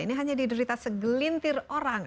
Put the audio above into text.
ini hanya diderita segelintir orang